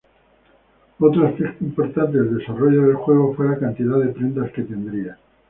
Otro aspecto importante del desarrollo del juego fue la cantidad de prendas que tendría.